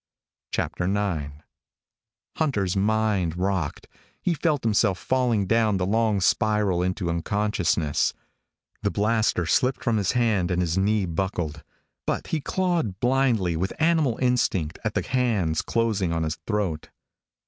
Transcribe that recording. IX Hunter's mind rocked. He felt himself falling down the long spiral into unconsciousness. The blaster slipped from his hand and his knees buckled. But he clawed blindly, with animal instinct, at the hands closing on his throat.